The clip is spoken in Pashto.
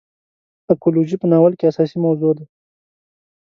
اکولوژي په ناول کې اساسي موضوع ده.